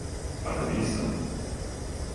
А да нисам?